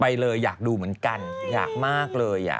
ไปเลยอยากดูเหมือนกันอยากมากเลย